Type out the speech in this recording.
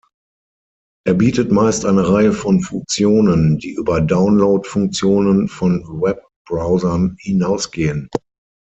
Er bietet meist eine Reihe von Funktionen, die über Download-Funktionen von Webbrowsern hinausgehen.